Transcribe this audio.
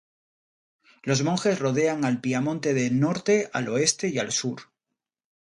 Los montes rodean al Piamonte al norte, al oeste y al sur.